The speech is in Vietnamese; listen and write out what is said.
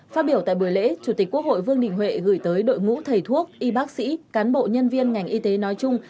phát biểu tại buổi lễ chủ tịch quốc hội vương đình huệ gửi tới đội ngũ thầy thuốc y bác sĩ cán bộ nhân viên ngành y tế nói chung